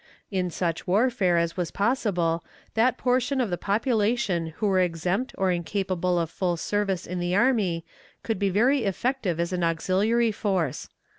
In such warfare as was possible, that portion of the population who were exempt or incapable of full service in the army could be very effective as an auxiliary force.